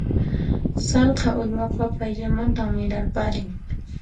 Sallqa uywaqa payllamanta mirarparin.